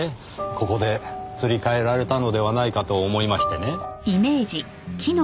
ここですり替えられたのではないかと思いましてね。